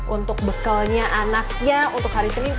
untuk bekalnya anaknya untuk hari senin